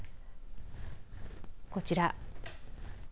こちら。